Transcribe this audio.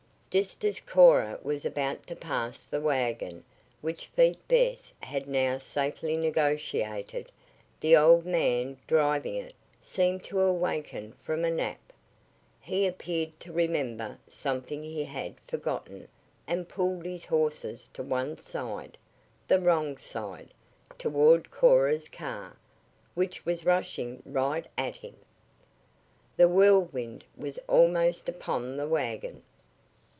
Just as Cora was about to pass the wagon, which feat Bess had now safely negotiated, the old man driving it seemed to awaken from a nap. He appeared to remember something he had forgotten and pulled his horses to one side the wrong side toward Cora's car, which was rushing right at him! The Whirlwind was almost upon the wagon!